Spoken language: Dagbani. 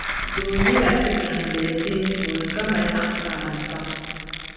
Doo nyɛ la tia gahindili tihi puuni, ka mali anfaani pam.